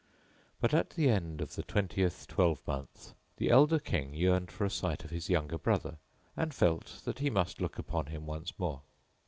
But at the end of the twentieth twelvemonth the elder King yearned for a sight of his younger brother and felt that he must look upon him once more.